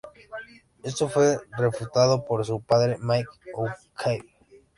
Esto fue refutado por su padre, Mike Huckabee.